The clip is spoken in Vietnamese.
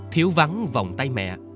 thiếu vắng vòng tay mẹ